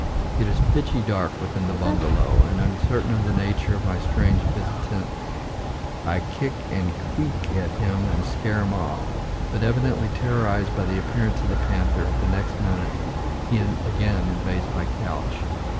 It is pitchy dark within the bungalow, and, uncertain of the nature of my strange visitant, I kick and "qu e e k" at him and scare him off; but, evidently terrorized by the appearance of the panther, the next minute he again invades my couch.